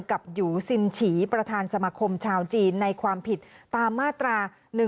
หยูซินฉีประธานสมคมชาวจีนในความผิดตามมาตรา๑๑๒